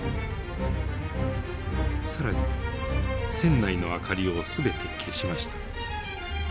更に船内の明かりを全て消しました。